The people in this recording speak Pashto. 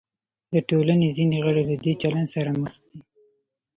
د ټولنې ځینې غړي له دې چلند سره مخ دي.